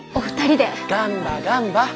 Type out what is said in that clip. ガンバガンバ！